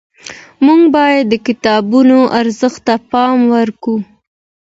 موږ باید د کتابونو ارزښت ته پام وکړو.